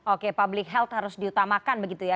oke public health harus diutamakan begitu ya